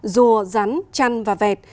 rùa rắn chăn và vẹt